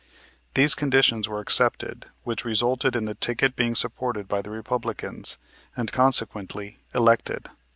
These conditions were accepted, which resulted in the ticket being supported by the Republicans and, consequently elected.